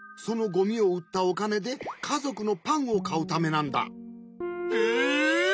そのゴミをうったおかねでかぞくのパンをかうためなんだ。えっ！？